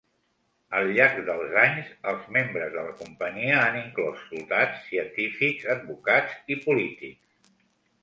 Al llarg dels anys, els membres de la companyia han inclòs soldats, científics, advocats i polítics.